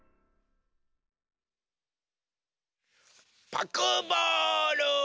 パクボール！